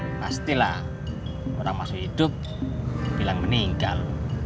pastilah orang masa hidup bilang meninggal